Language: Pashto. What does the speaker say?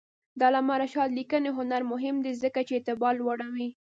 د علامه رشاد لیکنی هنر مهم دی ځکه چې اعتبار لوړوي.